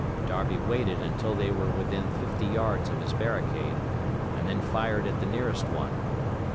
Darby waited until they were within fifty yards of his barricade, and then fired at the nearest one.